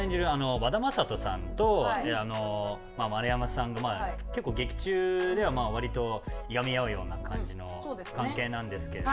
和田正人さんと丸山さんが結構劇中では割といがみ合うような感じの関係なんですけれど。